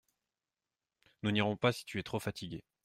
Nous n’irons pas si tu es trop fatiguée.